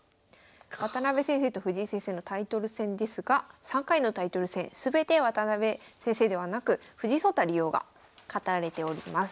渡辺先生と藤井先生のタイトル戦ですが３回のタイトル戦全て渡辺先生ではなく藤井聡太竜王が勝たれております。